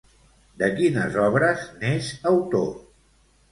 De quines obres n'és autor?